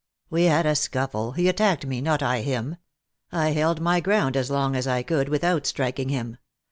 " We had a scuffle ; he attacked me, not I him. I held my ground as long as I could without striking him.